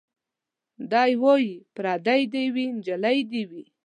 دی وايي پرېدۍ دي وي نجلۍ دي وي